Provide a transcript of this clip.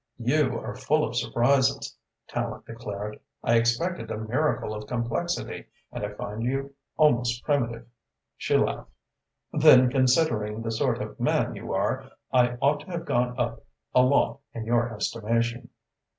"You are full of surprises," Tallente declared. "I expected a miracle of complexity and I find you almost primitive." She laughed. "Then considering the sort of man you are, I ought to have gone up a lot in your estimation."